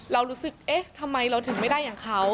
เรารู้สึกเอ๊ะทำไมเราถึงไม่ได้อย่างเขา